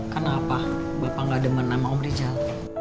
kenapa bapak ga demen sama om rijal